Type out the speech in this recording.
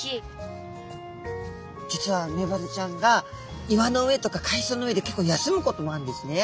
実はメバルちゃんが岩の上とか海藻の上で結構休むこともあるんですね。